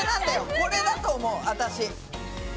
これだと思う私。